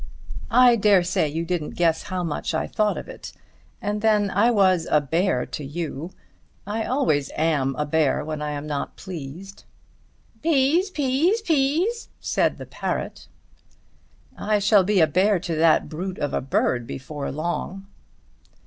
"I dare say you didn't guess how much I thought of it. And then I was a bear to you. I always am a bear when I am not pleased." "Peas, peas, peas," said the parrot. "I shall be a bear to that brute of a bird before long."